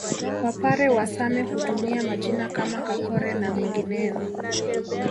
Wapare wa Same hutumia majina kama Kakore na mengineyo